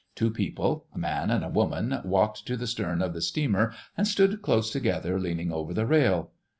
Two people, a man and a woman, walked to the stern of the steamer and stood close together, leaning over the rail.